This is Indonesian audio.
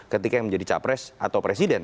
ketika yang menjadi capres atau presiden